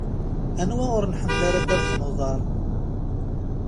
Anwa ur nḥemmel ara ddabex n uḍaṛ?